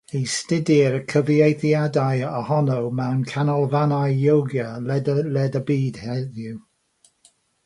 Astudir cyfieithiadau ohono mewn Canolfannau Ioga ledled y byd heddiw.